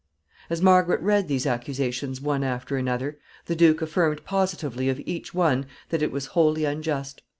] As Margaret read these accusations one after another, the duke affirmed positively of each one that it was wholly unjust.